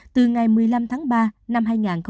từ ngày một mươi năm tháng ba năm hai nghìn hai mươi